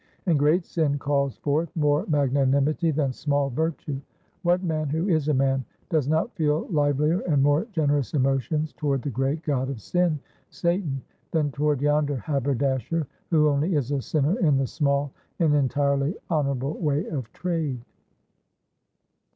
And great Sin calls forth more magnanimity than small Virtue. What man, who is a man, does not feel livelier and more generous emotions toward the great god of Sin Satan, than toward yonder haberdasher, who only is a sinner in the small and entirely honorable way of trade?